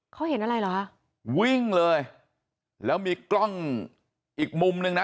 เขาเห็นอะไรเหรอคะวิ่งเลยแล้วมีกล้องอีกมุมนึงนะ